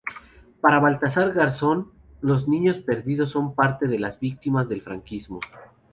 Para Baltasar Garzón, los niños perdidos son parte de las víctimas del franquismo.